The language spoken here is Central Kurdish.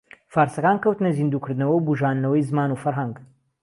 فارسەکان کەوتنە زیندو کردنەوە و بوژاندنەوەی زمان و فەرھەنگ